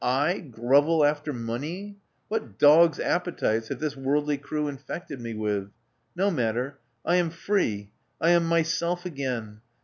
/ grovel after money! What dog's appetites have this worldly crew infected me with! No matter: I am free: I am myself again.